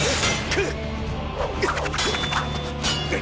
くっ。